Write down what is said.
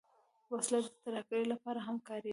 وسله د ترهګرۍ لپاره هم کارېدلې